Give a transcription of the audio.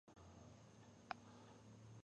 د حج او اوقافو رییس مې پېژندل.